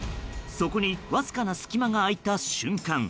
そこにわずかな隙間が空いた瞬間